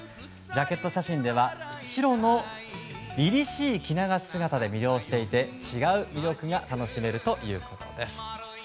ジャケット写真では白の凛々しい着流し姿で魅了していて、違う魅力が楽しめるということです。